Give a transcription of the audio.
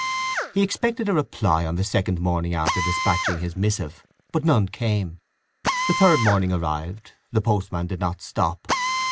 He expected a reply on the second morning after despatching his missive; but none came. The third morning arrived; the postman did not stop.